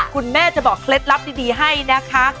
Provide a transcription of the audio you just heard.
คุณแม่จะบอกเคล็ดลับดีให้นะคะ